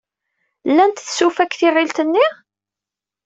Llant tsufa deg tiɣilt-nni?